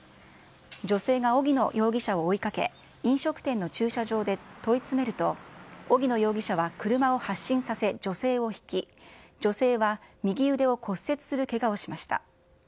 女性が荻野容疑者を追いかけ、飲食店の駐車場で問い詰めると、荻野容疑者は車を発進させ、女性をひき、女性は右腕を骨折するけがをしました。